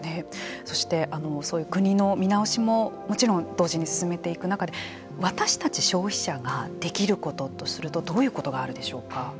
そして、国の見直しももちろん同時に進めていく中で私たち消費者ができることとするとどういうことがあるでしょうか。